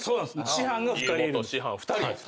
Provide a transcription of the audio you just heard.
師範が２人いるんです。